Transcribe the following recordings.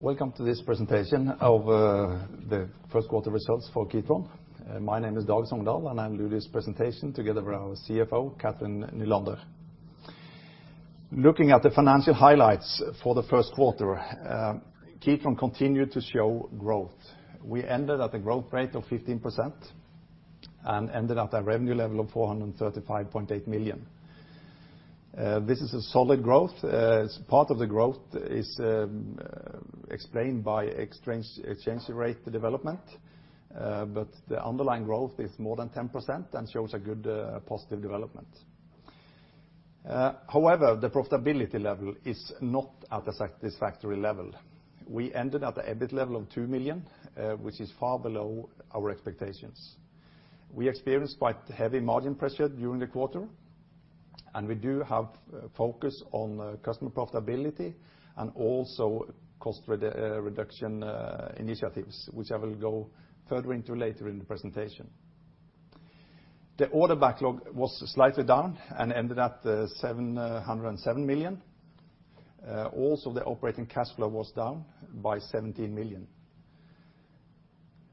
Welcome to this presentation of the first quarter results for Kitron. My name is Dag Songedal, and I will do this presentation together with our CFO, Cathrin Nylander. Looking at the financial highlights for the first quarter, Kitron continued to show growth. We ended at a growth rate of 15% and ended at a revenue level of 435.8 million. This is a solid growth. Part of the growth is explained by exchange rate development, but the underlying growth is more than 10% and shows a good positive development. However, the profitability level is not at a satisfactory level. We ended at the EBIT level of 2 million, which is far below our expectations. We experienced quite heavy margin pressure during the quarter, and we do have focus on customer profitability and also cost reduction initiatives, which I will go further into later in the presentation. The order backlog was slightly down and ended at 707 million. Also the operating cash flow was down by 17 million.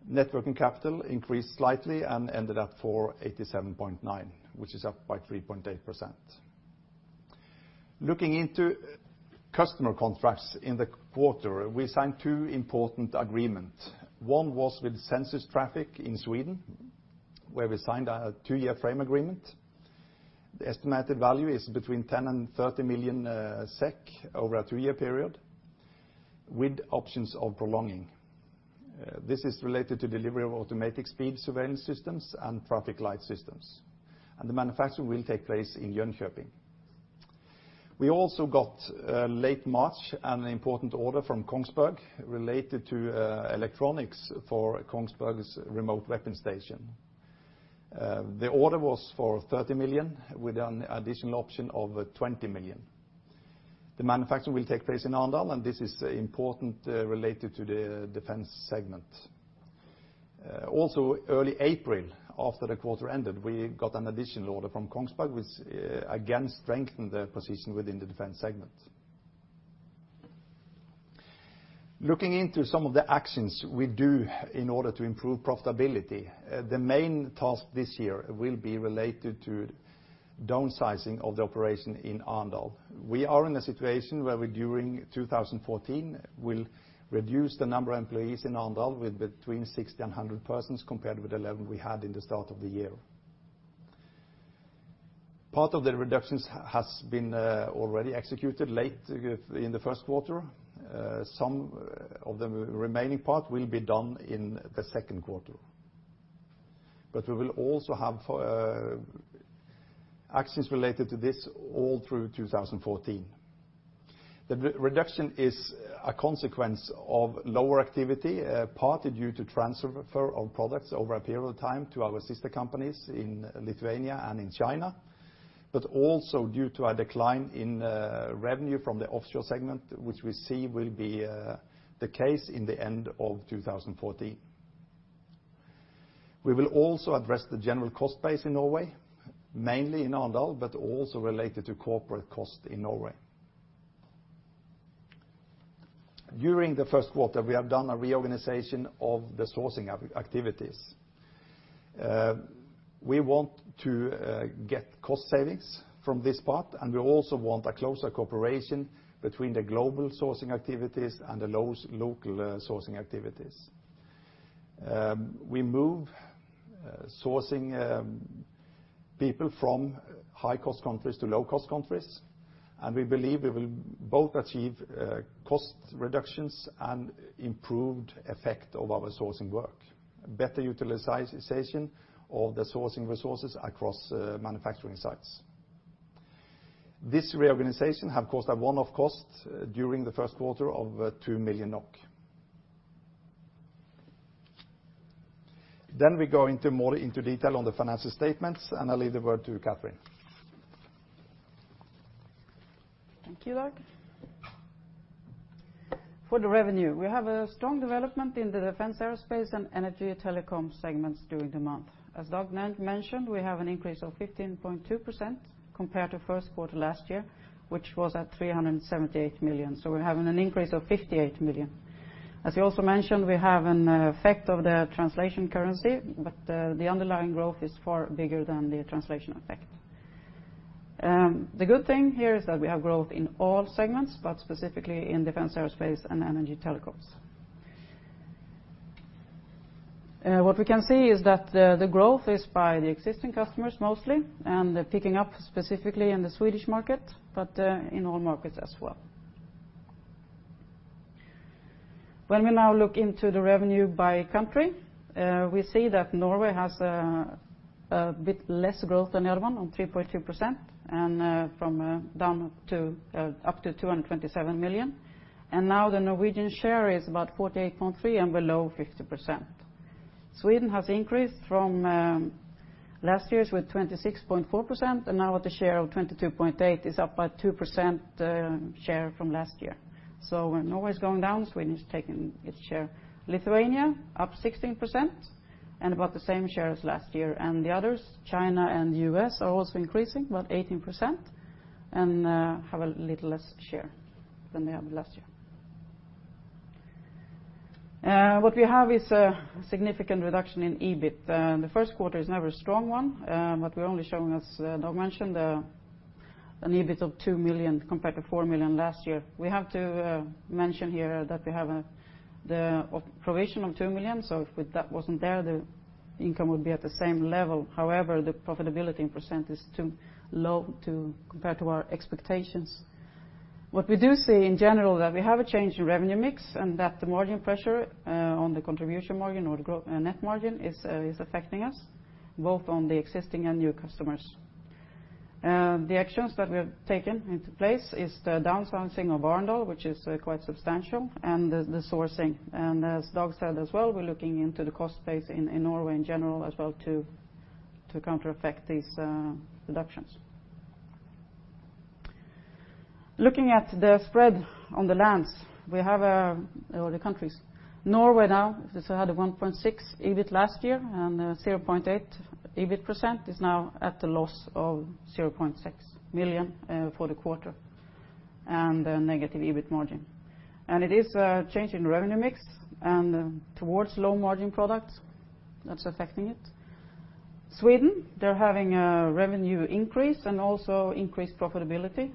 Net working capital increased slightly and ended up 487.9, which is up by 3.8%. Looking into customer contracts in the quarter, we signed 2 important agreement. One was with Sensys Traffic in Sweden, where we signed a 2-year frame agreement. The estimated value is between 10 and 30 million SEK over a 2-year period with options of prolonging. This is related to delivery of automatic speed surveillance systems and traffic light systems, and the manufacture will take place in Jönköping. We also got late March, an important order from Kongsberg related to electronics for Kongsberg's Remote Weapon Station. The order was for 30 million with an additional option of 20 million. The manufacture will take place in Arendal, and this is important related to the defense segment. Also early April, after the quarter ended, we got an additional order from Kongsberg, which again strengthened the position within the defense segment. Looking into some of the actions we do in order to improve profitability, the main task this year will be related to downsizing of the operation in Arendal. We are in a situation where we, during 2014, will reduce the number of employees in Arendal with between 60 and 100 persons compared with the level we had in the start of the year. Part of the reductions has been already executed late in the first quarter. Some of the remaining part will be done in the second quarter. We will also have actions related to this all through 2014. The re-reduction is a consequence of lower activity, partly due to transfer of products over a period of time to our sister companies in Lithuania and in China, but also due to a decline in revenue from the offshore segment, which we see will be the case in the end of 2014. We will also address the general cost base in Norway, mainly in Arendal, but also related to corporate cost in Norway. During the first quarter, we have done a reorganization of the sourcing activities. We want to get cost savings from this part, and we also want a closer cooperation between the global sourcing activities and the local sourcing activities. We move sourcing people from high-cost countries to low-cost countries, and we believe we will both achieve cost reductions and improved effect of our sourcing work, better utilization of the sourcing resources across manufacturing sites. This reorganization have caused a one-off cost during the first quarter of 2 million NOK. We go into more into detail on the financial statements, and I leave the word to Cathrin. Thank you, Dag. For the revenue, we have a strong development in the defense aerospace and energy telecom segments during the month. As Dag mentioned, we have an increase of 15.2% compared to first quarter last year, which was at 378 million. We're having an increase of 58 million. He also mentioned, we have an effect of the translation currency, the underlying growth is far bigger than the translation effect. The good thing here is that we have growth in all segments, but specifically in defense aerospace and energy telecom. What we can see is that the growth is by the existing customers mostly, and they're picking up specifically in the Swedish market, but in all markets as well. When we now look into the revenue by country, we see that Norway has a bit less growth than the other one on 3.2% and from down to up to 227 million. Now the Norwegian share is about 48.3 and below 50%. Sweden has increased from last year's with 26.4%, now with a share of 22.8 is up by 2% share from last year. When Norway's going down, Sweden is taking its share. Lithuania up 16% and about the same share as last year. The others, China and U.S., are also increasing, about 18%. Have a little less share than we have last year. What we have is a significant reduction in EBIT. The first quarter is never a strong one, but we're only showing, as Dag Songedal mentioned, an EBIT of 2 million compared to 4 million last year. We have to mention here that we have the provision of 2 million, so if that wasn't there, the income would be at the same level. The profitability in % is too low to compared to our expectations. What we do see in general, that we have a change in revenue mix and that the margin pressure on the contribution margin or the net margin is affecting us, both on the existing and new customers. The actions that we have taken into place is the downsizing of Arendal, which is quite substantial, and the sourcing. As Dag Songedal said as well, we're looking into the cost base in Norway in general as well to counter-affect these reductions. Looking at the spread on the lands, we have or the countries. Norway now, this had a 1.6% EBIT last year, and 0.8% EBIT, is now at a loss of -0.6 million for the quarter, and a negative EBIT margin. It is a change in revenue mix and towards low margin products that's affecting it. Sweden, they're having a revenue increase and also increased profitability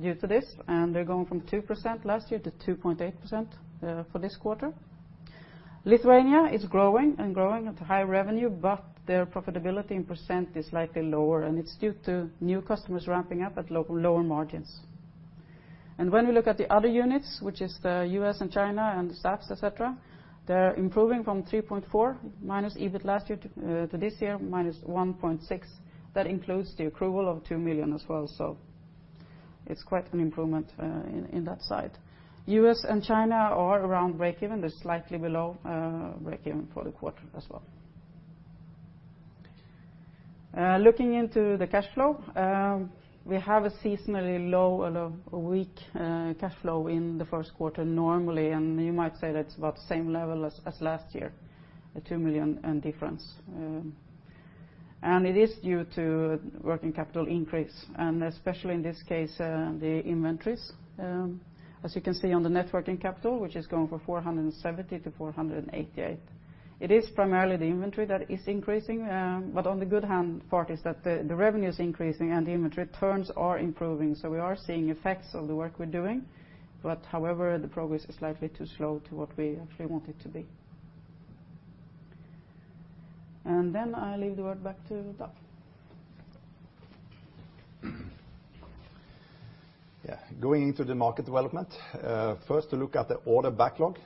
due to this, and they're going from 2% last year to 2.8% for this quarter. Lithuania is growing and growing at a high revenue, but their profitability in % is slightly lower, and it's due to new customers ramping up at local lower margins. When we look at the other units, which is the US and China and the staffs, et cetera, they're improving from 3.4 million minus EBIT last year to this year, minus 1.6 million. That includes the accrual of 2 million as well, so it's quite an improvement in that side. US and China are around break even. They're slightly below break even for the quarter as well. Looking into the cashflow, we have a seasonally low and a weak cashflow in the first quarter normally, and you might say that's about the same level as last year, a 2 million difference. It is due to working capital increase, and especially in this case, the inventories, as you can see on the net working capital, which has gone from 470 million to 488 million. It is primarily the inventory that is increasing, but on the good hand part is that the revenue's increasing and the inventory turns are improving. We are seeing effects of the work we're doing. However, the progress is slightly too slow to what we actually want it to be. I leave the word back to Dag. Yeah. Going into the market development, first to look at the order backlog.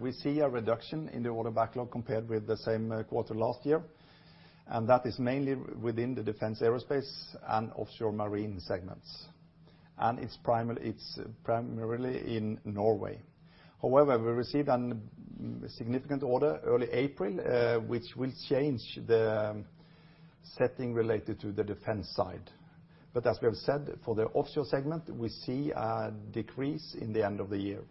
We see a reduction in the order backlog compared with the same quarter last year, that is mainly within the defense, aerospace and offshore marine segments. It's primarily in Norway. We received a significant order early April, which will change the setting related to the defense side. As we have said, for the offshore segment, we see a decrease in the end of the year.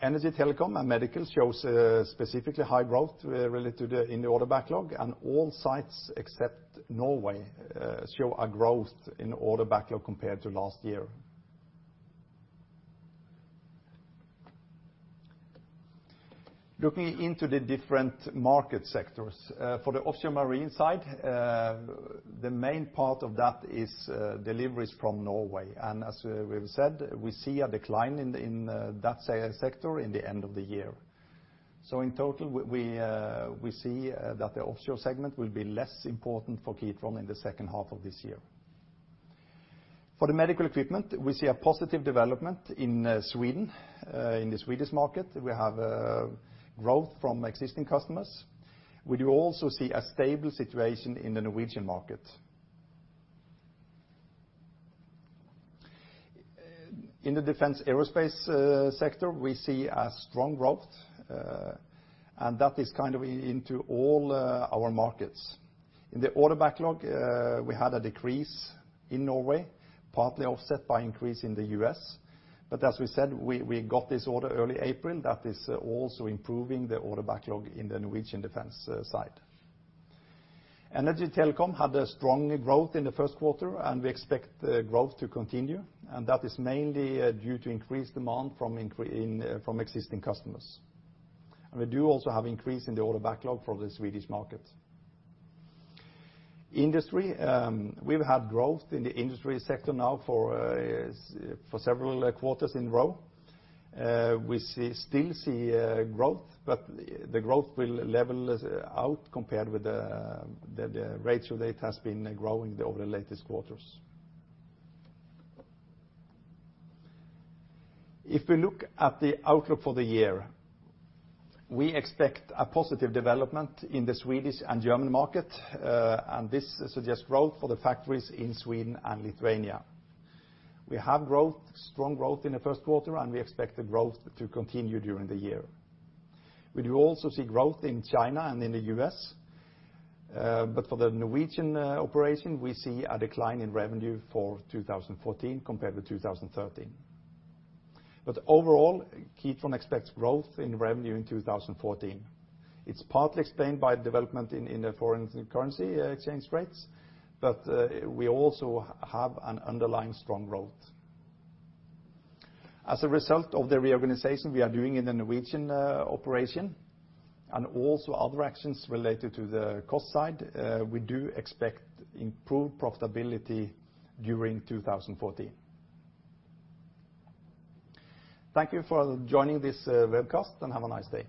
Energy telecom and medical shows specifically high growth related to the in the order backlog, all sites except Norway show a growth in order backlog compared to last year. Looking into the different market sectors. For the offshore marine side, the main part of that is deliveries from Norway. As we have said, we see a decline in that sector in the end of the year. In total, we see that the offshore segment will be less important for Kitron in the second half of this year. For the medical equipment, we see a positive development in Sweden. In the Swedish market we have growth from existing customers. We do also see a stable situation in the Norwegian market. In the defense aerospace sector, we see a strong growth, and that is kind of into all our markets. In the order backlog, we had a decrease in Norway, partly offset by increase in the US. As we said, we got this order early April that is also improving the order backlog in the Norwegian defense side. energy telecom had a strongly growth in the first quarter, and we expect the growth to continue, and that is mainly due to increased demand from existing customers. We do also have increase in the order backlog for the Swedish market. Industry, we've had growth in the industry sector now for several quarters in row. We still see growth, but the growth will level as out compared with the rate through that has been growing over the latest quarters. If we look at the outlook for the year, we expect a positive development in the Swedish and German market, and this suggests growth for the factories in Sweden and Lithuania. We have growth, strong growth in the first quarter, and we expect the growth to continue during the year. We do also see growth in China and in the US, but for the Norwegian operation, we see a decline in revenue for 2014 compared with 2013. Overall, Kitron expects growth in revenue in 2014. It's partly explained by development in the foreign currency exchange rates, but we also have an underlying strong growth. As a result of the reorganization we are doing in the Norwegian operation and also other actions related to the cost side, we do expect improved profitability during 2014. Thank you for joining this webcast, and have a nice day